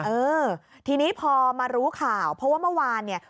เออทีนี้พอมารู้ข่าวเพราะว่าเมื่อวานเนี่ย